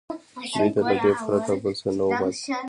دوی ته له دې پرته بل څه نه وو پاتې